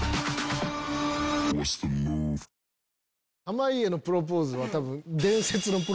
濱家のプロポーズは多分。